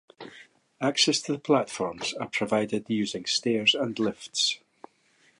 Access to the platforms are provided using stairs and lifts.